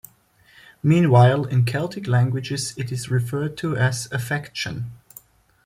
Meanwhile, in Celtic languages, it is referred to as "affection"